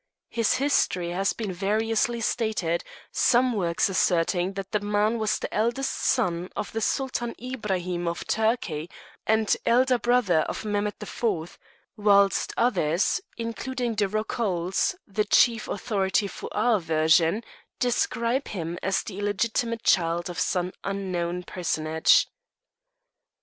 His history has been variously stated, some works asserting that the man was the eldest son of the Sultan Ibrahim of Turkey, and elder brother of Mehemet the Fourth, whilst others, including De Rocoles (the chief authority for our version) describe him as the illegitimate child of some unknown personage.